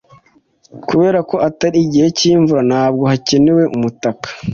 Kubera ko atari igihe cyimvura, ntabwo hakenewe umutaka.